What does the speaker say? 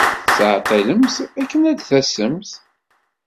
Tettɛeḍḍilemt akken ad d-tasemt.